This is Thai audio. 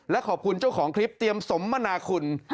และขอบคุณเจ้าของคลิปเตรียมสมมนาคุณ